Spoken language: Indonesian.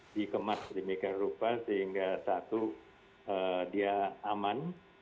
dikemas demikian rupa sehingga satu dia aman